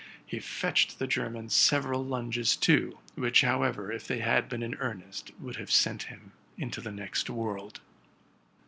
He fetched the German several lunges too, which, however, if they had been in earnest, would have sent him into the next world.